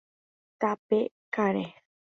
Tape karẽ